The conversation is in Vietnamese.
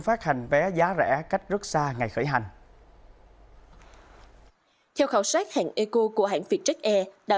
phát hành vé giá rẻ cách rất xa ngày khởi hành theo khảo sát hãng eco của hãng vietjet air đã